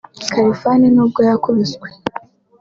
Kalifan n’ubwo yakubiswe